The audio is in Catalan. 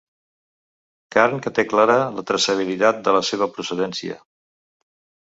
Carn que té clara la traçabilitat de la seva procedència.